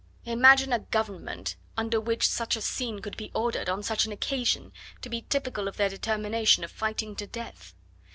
Imagine a government under which such a scene could be ordered, on such an occasion, to be typical of their determination of fighting to death!